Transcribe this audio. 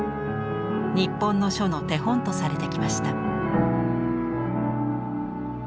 日本の書の手本とされてきました。